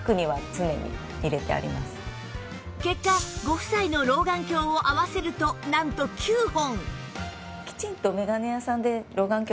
結果ご夫妻の老眼鏡を合わせるとなんと９本！